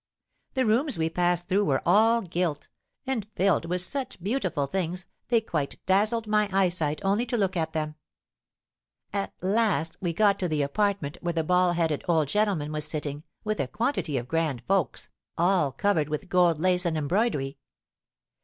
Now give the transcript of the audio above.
The rooms we passed through were all gilt, and filled with such beautiful things they quite dazzled my eyesight only to look at them. "At last we got to the apartment where the bald headed old gentleman was sitting, with a quantity of grand folks, all covered with gold lace and embroidery.